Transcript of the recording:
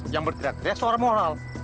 yang berteriak teriak suara moral